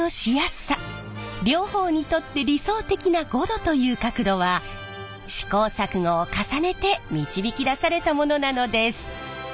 両方にとって理想的な５度という角度は試行錯誤を重ねて導き出されたものなのです。